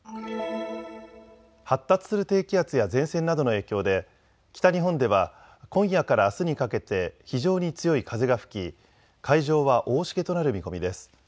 発達する低気圧や前線などの影響で北日本では今夜からあすにかけて非常に強い風が吹き海上は大しけとなる見込みです。